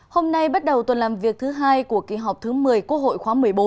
hôm nay bắt đầu tuần làm việc thứ hai của kỳ họp thứ một mươi quốc hội khóa một mươi bốn